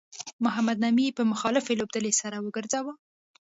محمد نبي په مخالفې لوبډلې سر وګرځاوه